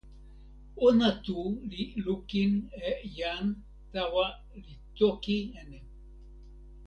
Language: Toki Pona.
ona tu li lukin e jan tawa li toki e ni.